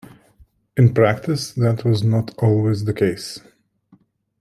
In practice, that was not always the case.